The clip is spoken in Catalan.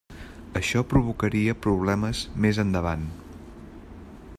Això provocaria problemes més endavant.